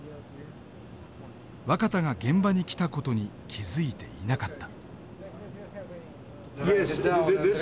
若田が現場に来た事に気付いていなかった。